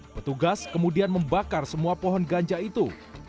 petugas kemudian membakar semua pohon ganja itu